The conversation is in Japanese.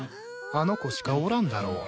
あの子しかおらんだろ。